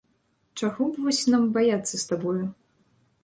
Чаго б вось нам баяцца з табою?